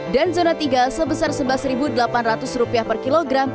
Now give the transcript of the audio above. dan zona tiga sebesar rp sebelas delapan ratus per kilogram